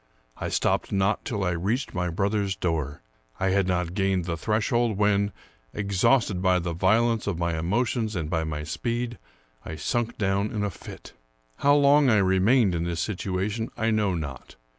I stopped not till I reached my brother's door. I had not gained the threshold, when, exhausted by the violence of my emotions and by my speed, I sunk down in a fit. How long I remained in this situation I know not.